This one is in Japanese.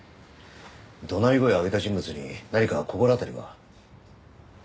怒鳴り声を上げた人物に何か心当たりは？